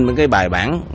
mấy cái bài bản